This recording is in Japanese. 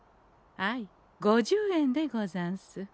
はい５０円でござんす。